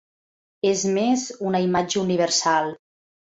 És més una imatge universal.